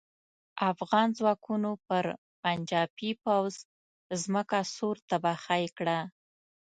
افغان ځواکونو پر پنجاپي پوځ ځمکه سور تبخی کړه.